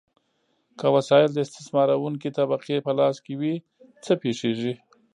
که وسایل د استثمارونکې طبقې په لاس کې وي، څه پیښیږي؟